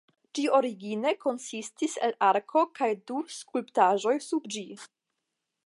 Ĝi origine konsistis el arko kaj du skulptaĵoj sub ĝi.